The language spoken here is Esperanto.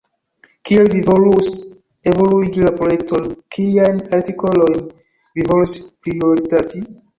Kiel vi volus evoluigi la projekton, kiajn artikolojn vi volus prioritati?